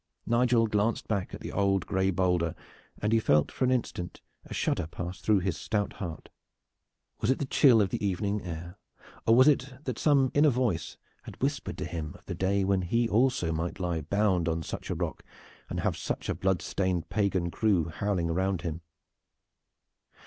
Nigel glanced back at the old gray boulder, and he felt for an instant a shudder pass through his stout heart. Was it the chill of the evening air, or was it that some inner voice had whispered to him of the day when he also might lie bound on such a rock and have such a blood stained pagan crew howling around him.